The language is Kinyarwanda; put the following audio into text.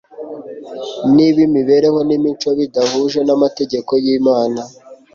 Niba imibereho n'imico bidahuje n'amategeko y'Imana,